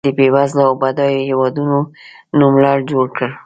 که د بېوزلو او بډایو هېوادونو نوملړ جوړ کړو.